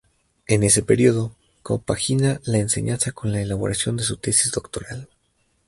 En ese período, compagina la enseñanza con la elaboración de su tesis doctoral.